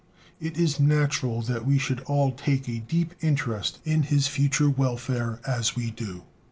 It is natural that we should all take a deep interest in his future welfare, as we do.